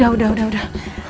udah udah udah